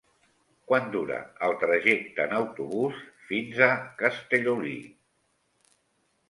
Quant dura el trajecte en autobús fins a Castellolí?